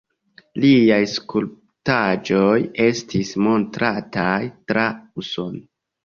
Liaj skulptaĵoj estis montrataj tra Usono.